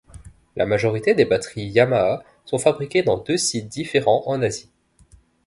La majorité des batteries Yamaha sont fabriquées dans deux sites différents en Asie.